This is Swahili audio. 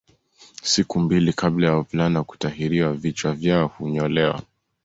Siku mbili kabla ya wavulana kutahiriwa vichwa vyao hunyolewa